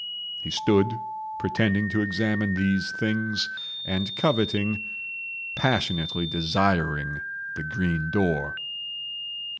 He stood pretending to examine these things, and coveting, passionately desiring the green door.